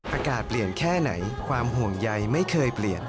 อากาศเปลี่ยนแค่ไหนความห่วงใยไม่เคยเปลี่ยน